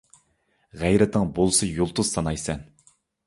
غەيرىتىڭ بولسا يۇلتۇز سانايسەن.